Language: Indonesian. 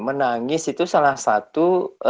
menangis itu salah satu